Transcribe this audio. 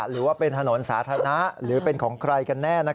หรือว่าเป็นถนนสาธารณะหรือเป็นของใครกันแน่